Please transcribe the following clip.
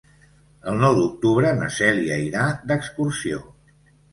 El nou d'octubre na Cèlia irà d'excursió.